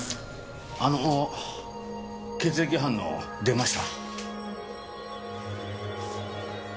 あのー血液反応出ました。